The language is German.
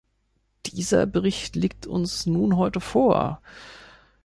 Dieser Bericht liegt uns nun heute vor.